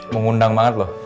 mengundang banget loh